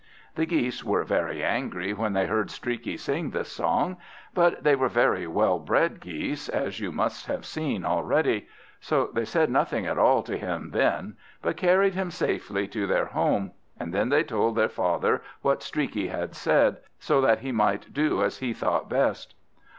The Geese were very angry when they heard Streaky sing this song. But they were very well bred Geese, as you must have seen already; so they said nothing at all to him then, but carried him safely to their home, and then they told their father what Streaky had said, so that he might do as he thought best.